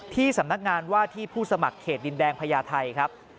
ที่สำนักงานว่าที่ผู้สมัครเขตดินแดงพญาไทยครับ